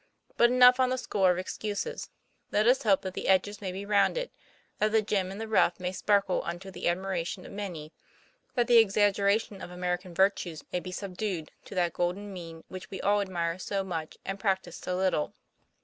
But enough on the score of excuses. Let us hope that the edges may be rounded ; that the gem in the rough may sparkle unto the admiration of many, that the exaggeration of American virtues may be subdued to that golden mean which we all admire so much and practise so little.